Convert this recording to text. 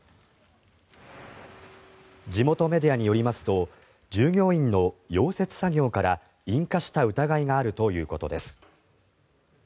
地元メディアによりますと従業員の溶接作業から引火した疑いがあるということです。